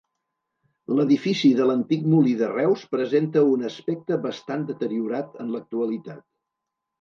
L'edifici de l'antic molí de Reus presenta un aspecte bastant deteriorat en l'actualitat.